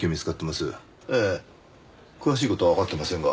ええ詳しい事はわかっていませんが。